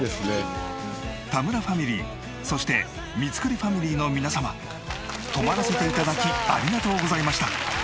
田村ファミリーそして三栗ファミリーの皆様泊まらせて頂きありがとうございました。